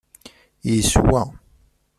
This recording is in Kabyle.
Yeswa.